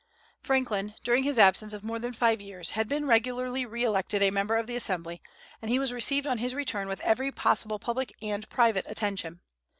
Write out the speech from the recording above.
Franklin, during his absence of more than five years, had been regularly re elected a member of the Assembly, and he was received on his return with every possible public and private attention.